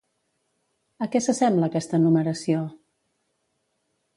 A què s'assembla aquesta enumeració?